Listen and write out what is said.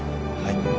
はい